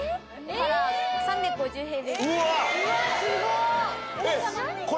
すごい。